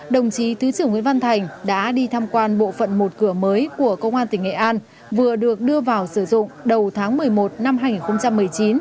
đồng chí thứ trưởng nguyễn văn thành đã đi tham quan bộ phận một cửa mới của công an tỉnh nghệ an vừa được đưa vào sử dụng đầu tháng một mươi một năm hai nghìn một mươi chín